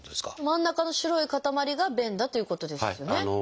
真ん中の白い塊が便だということですよね。